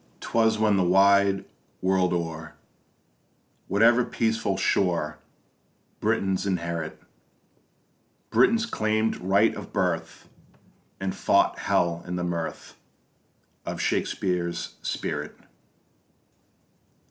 'Twas when the wide world o'er, Whatever peaceful shore Britons inherit, Britons claim'd right of birth, And fought hell in the mirth Of Shakespeare's spirit.